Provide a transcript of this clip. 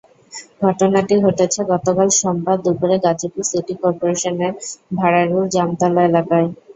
ঘটনাটি ঘটেছে গতকাল সোমবার দুপুরে গাজীপুর সিটি করপোরেশনের ভারারুল জামতলা এলাকায়।